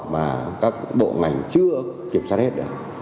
mà các bộ ngành chưa kiểm soát hết được